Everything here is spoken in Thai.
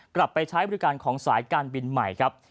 กลับไปใช้บริการของสายการบินใหม่ครับ